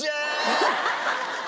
ハハハハ！